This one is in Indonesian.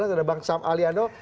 ada bang sam aliano